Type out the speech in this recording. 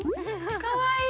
かわいい！